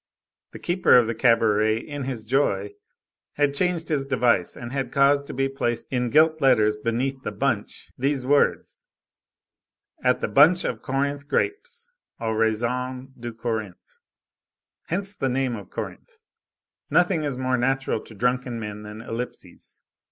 The keeper of the cabaret, in his joy, had changed his device and had caused to be placed in gilt letters beneath the bunch these words: "At the Bunch of Corinth Grapes" ("Au Raisin de Corinthe"). Hence the name of Corinthe. Nothing is more natural to drunken men than ellipses.